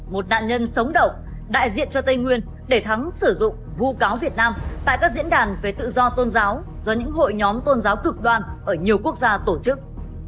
một nạn nhân sống động đại diện cho tây nguyên để thắng sử dụng vu cáo việt nam tại các diễn đàn về tự do tôn giáo do những hội nhóm tôn giáo cực đoan ở nhiều quốc gia tổ chức